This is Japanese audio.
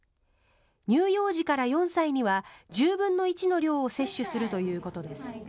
乳幼児から４歳には１０分の１の量を接種するということです。